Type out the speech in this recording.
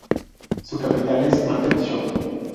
Su capital es Market Shop.